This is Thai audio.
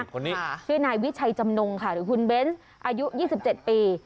คนนี้ค่ะชื่อนายวิชัยจำนงค่ะหรือคุณเบ้นท์อายุยี่สิบเจ็ดปี